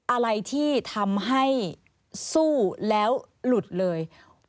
อะไรที่ทำให้สู้แล้วหลุดเลย